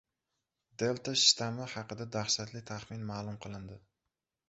"Delta" shtammi haqida dahshatli taxmin ma’lum qilindi